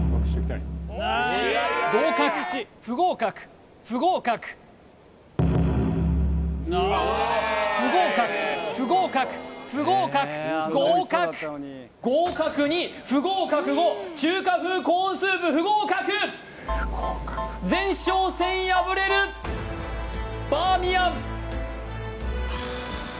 合格不合格不合格不合格不合格不合格合格合格２不合格５中華風コーンスープ不合格前哨戦敗れるバーミヤンはあ